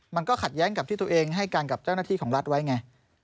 มันก็ขัดแย้งกับที่ตัวเองให้การกับเจ้าหน้าที่ของรัฐไว้ไง